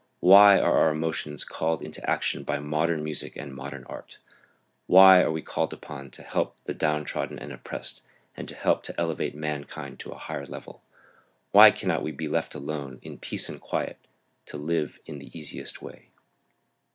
"Why are our emotions called into action by modern music and modern art? Why are we called upon to help the downtrodden and oppressed, and to help to elevate mankind to a higher level? Why cannot we be left alone in peace and quiet, to live in the easiest way?"